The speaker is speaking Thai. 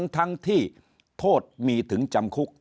ทั้งที่โทษมีถึงจำคุก